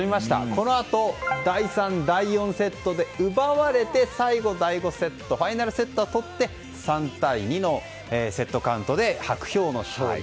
このあと第３、第４セットで奪われて、最後第５セットファイナルセットは取って３対２のセットカウントで薄氷の勝利。